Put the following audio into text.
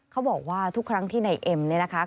เขาบอกว่าทุกครั้งที่ในเอ็มเนี่ยนะคะ